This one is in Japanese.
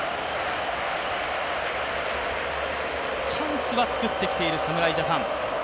チャンスは作ってきている侍ジャパン。